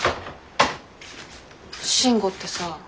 慎吾ってさ。